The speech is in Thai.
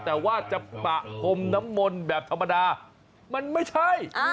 แต่ว่าจะปะพรมน้ำมนต์แบบธรรมดามันไม่ใช่